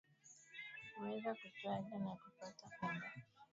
Huweza kutwangwa na kupata unga ambao hutengeza mchanganyiko mzuri